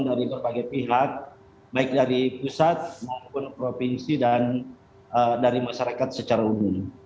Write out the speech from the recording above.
dari berbagai pihak baik dari pusat maupun provinsi dan dari masyarakat secara umum